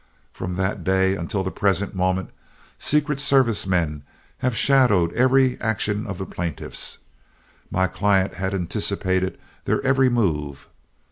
From that day until the present moment, secret service men have shadowed every action of the plaintiffs. My client has anticipated their every move.